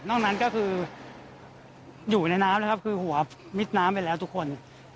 นั้นก็คืออยู่ในน้ำนะครับคือหัวมิดน้ำไปแล้วทุกคน